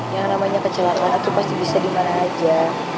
yang namanya kecelakaan itu pasti bisa dimana aja